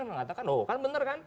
mengatakan oh kan benar kan